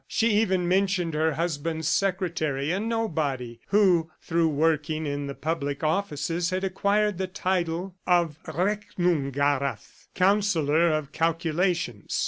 She even mentioned her husband's secretary (a nobody) who, through working in the public offices, had acquired the title of Rechnungarath, Councillor of Calculations.